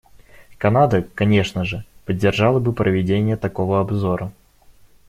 Канада, конечно же, поддержала бы проведение такого обзора.